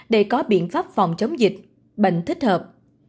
để có biện pháp phòng chống dịch bệnh thích hợp